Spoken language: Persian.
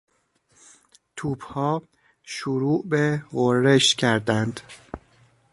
توپها شروع به غرش کردند.